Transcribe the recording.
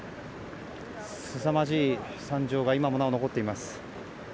すさまじい惨状が今もなお残っています。